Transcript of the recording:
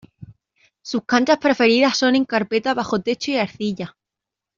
Sus canchas preferidas son en carpeta bajo techo y arcilla.